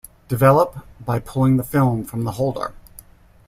Develop by pulling the film from the holder.